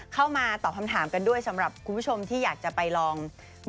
เข้ามาตอบคำถามกันด้วยสำหรับคุณผู้ชมที่อยากจะไปลอง